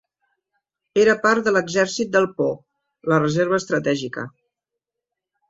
Era part de l'exèrcit del Po, la reserva estratègica.